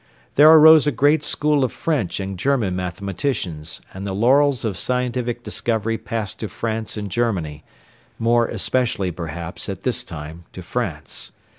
There arose a great school of French and German mathematicians, and the laurels of scientific discovery passed to France and Germany more especially, perhaps, at this time to France.